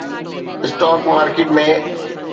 stock market ۾